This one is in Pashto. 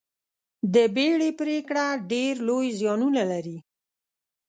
د بیړې پرېکړه ډېر لوی زیانونه لري.